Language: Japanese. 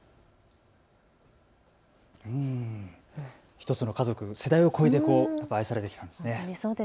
１つの家族、世代を超えて愛されてきたんですね。